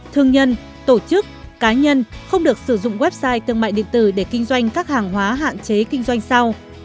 thương nhân tổ chức cá nhân không được sử dụng website thương mại điện tử để kinh doanh các hàng hóa hạn chế kinh doanh sau